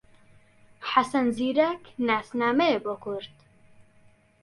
حەسەن زیرەک ناسنامەیە بۆ کورد